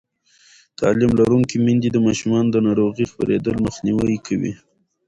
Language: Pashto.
تعلیم لرونکې میندې د ماشومانو د ناروغۍ خپرېدل مخنیوی کوي.